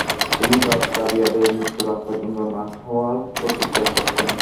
তিনি তার দাবি আদায়ে মৃত্যুর আগ পর্যন্ত না খাওয়ার প্রতিজ্ঞা করতেন।